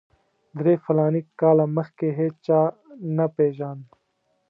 درې فلاني کاله مخکې هېچا نه پېژاند.